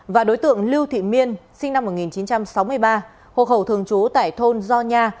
và đối tượng lưu thị miên sinh năm một nghìn chín trăm sáu mươi ba hộ khẩu thường trú tại thôn gio nha